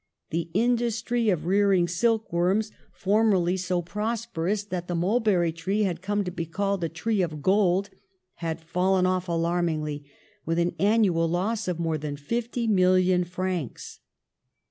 The industry of rearing silk worms, formerly so 84 PASTEUR prosperous that the mulberry tree had come to be called the tree of gold, had fallen off alarm ingly, with an annual loss of more than fifty million francs.